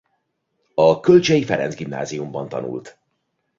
A Kölcsey Ferenc Gimnáziumban tanult.